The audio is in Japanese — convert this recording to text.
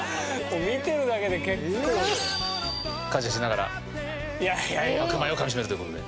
見てるだけで結構。感謝しながら白米を噛み締めるという事で。